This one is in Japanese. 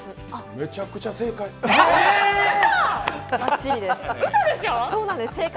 めちゃくちゃ正解。